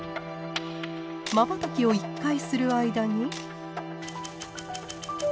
まばたきを一回する間に。